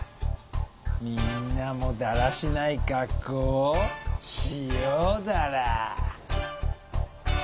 みんなもだらしないかっこうをしようダラ。